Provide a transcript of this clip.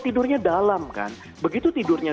tidurnya dalam kan begitu tidurnya